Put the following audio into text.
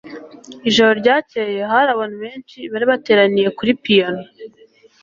ijoro ryakeye hari abantu benshi bari bateraniye kuri piyano